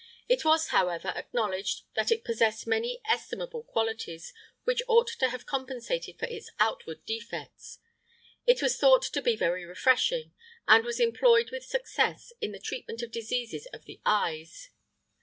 It was, however, acknowledged that it possessed many estimable qualities, which ought to have compensated for its outward defects. It was thought to be very refreshing, and was employed with success in the treatment of diseases of the eyes.